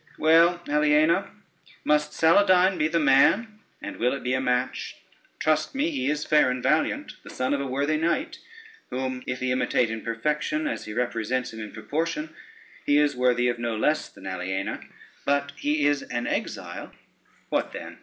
Well, Aliena, must Saladyne be the man, and will it be a match? Trust me, he is fair and valiant, the son of a worthy knight, whom if he imitate in perfection, as he represents him in proportion, he is worthy of no less than Aliena. But he is an exile: what then?